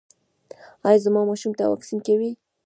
ایا زما ماشوم ته واکسین کوئ؟